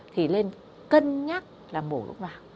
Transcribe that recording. thì nên cân nhắc là mổ lúc nào